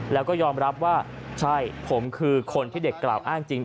แล้วก็ยอมรับว่าใช่ผมคือคนที่เด็กกล่าวอ้างจริง